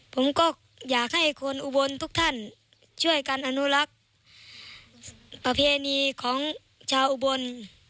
ผมก็อยากให้คนอุบลทุกท่านช่วยกันอนุรักษ์ประเพณีของชาวอุบล